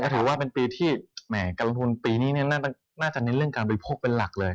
ถือว่าเป็นปีที่แหมการลงทุนปีนี้น่าจะเน้นเรื่องการบริโภคเป็นหลักเลย